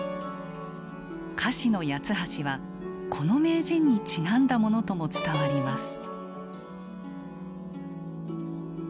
菓子の「八ツ橋」はこの名人にちなんだものとも伝わります。